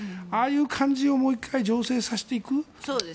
ああいう感じをもう１回醸成させていく。